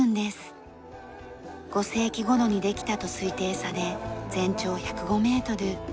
５世紀頃にできたと推定され全長１０５メートル。